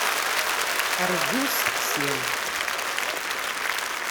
Err-d i usteqsi.